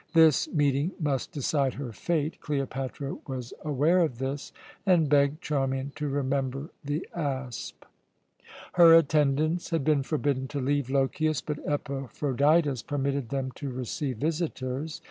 This meeting must decide her fate. Cleopatra was aware of this, and begged Charmian to remember the asp. Her attendants had been forbidden to leave Lochias, but Epaphroditus permitted them to receive visitors.